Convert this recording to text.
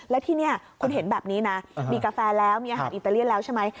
แล้วที่นี่คุณเห็นแบบนี้นะมีกาแฟแล้วมีอาหารอิตาเลียนแล้วใช่ไหม